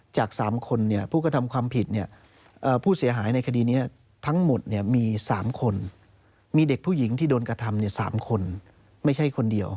จากสามคนเนี่ยผู้กระทำความผิดเนี่ยผู้เสียหายในคดีนี้ทั้งหมดเนี่ยมีสามคนมีเด็กผู้หญิงที่โดนกระทำเนี่ยสามคนไม่ใช่คนเดียว